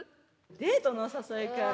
デートのお誘いかよ。